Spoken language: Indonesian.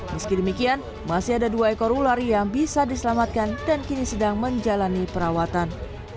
meski demikian masih ada dua ekor ular yang bisa diselamatkan dan kini sedang menjalani perawatan